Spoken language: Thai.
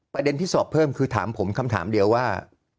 ประเด็นที่สอบเพิ่มคือถามผมคำถามเดียวว่า